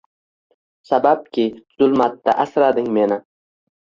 Sababki, zulmatda asrading meni.